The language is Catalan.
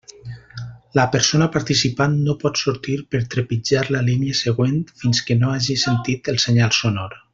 La persona participant no pot sortir per trepitjar la línia següent fins que no hagi sentit el senyal sonor.